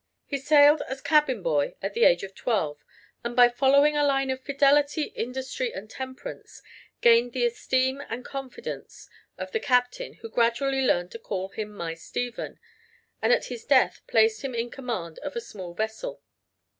He sailed as cabin boy at the age of twelve, and by following a line of fidelity, industry and temperance, gained the esteem and confidence of the captain who gradually learned to call him "My Stephen," and at his death placed him in command of a small vessel.